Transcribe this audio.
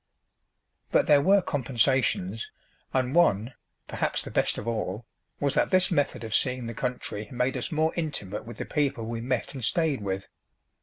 But there were compensations, and one, perhaps the best of all, was that this method of seeing the country made us more intimate with the people we met and stayed with.